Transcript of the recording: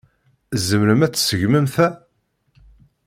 Tzemrem ad tseggmem ta?